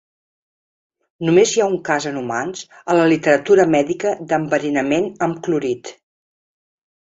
Només hi ha un cas en humans a la literatura mèdica d'enverinament amb clorit.